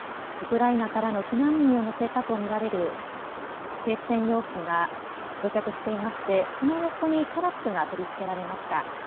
ウクライナからの避難民を乗せたとみられる政府専用機が到着していましてその横にタラップが取り付けられました。